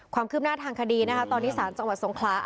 ความคืบหน้าทางคดีนะคะตอนนี้สารจังหวัดสงขลา